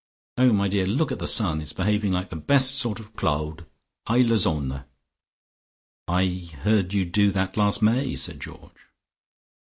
Oh, my dear, look at the sun. It's behaving like the best sort of Claude! Heile Sonne!" "I heard you do that last May," said Georgie.